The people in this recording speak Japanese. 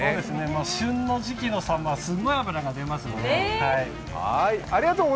旬の時期のさんまはすごく脂が出ますので。